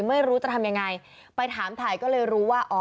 ไม่รู้จะทำยังไงไปถามถ่ายก็เลยรู้ว่าอ๋อ